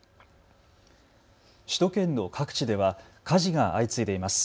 首都圏の各地では火事が相次いでいます。